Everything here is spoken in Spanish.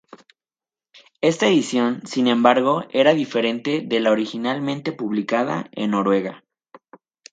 Esta edición, sin embargo, era diferente de la originalmente publicada en Noruega.